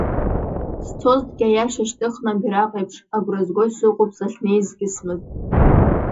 Сцозҭгьы Аиаша шьҭыхны абираҟ еиԥш, агәра згоит, сыҟоуп, сахьнеизгьы смыӡп.